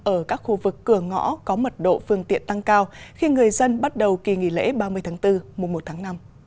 ở các khu vực cửa ngõ có mật độ phương tiện tăng cao khi người dân bắt đầu kỳ nghỉ lễ ba mươi tháng bốn mùa một tháng năm